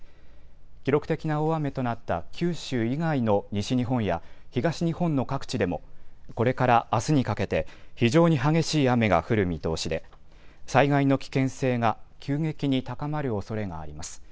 記録的な大雨となった九州以外の西日本や東日本の各地でもこれからあすにかけて非常に激しい雨が降る見通しで災害の危険性が急激に高まるおそれがあります。